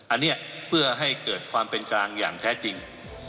อันนี้เพื่อให้เกิดความเป็นกลางอย่างแท้จริง